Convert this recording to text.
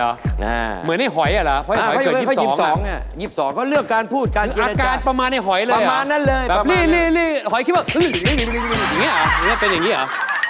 เขาอยู่ในหอยน่ะหละเพราะอย่างหอยเกิด๒๒ค่ะคืออาการประมาณในหอยเลยเหรอแบบหอยคิดว่าหึอย่างนี้เหรอเป็นอย่างนี้เหรอ